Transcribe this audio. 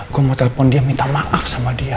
gue mau telepon dia minta maaf sama dia